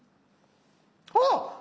あっ！